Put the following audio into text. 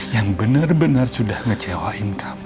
yang bener bener sudah ngecewain kamu